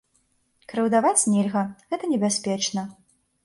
Крыўдаваць нельга, гэта небяспечна.